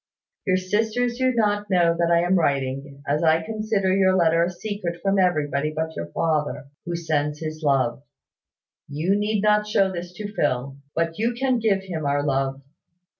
"Your sisters do not know that I am writing, as I consider your letter a secret from everybody but your father, who sends his love. You need not show this to Phil; but you can give him our love.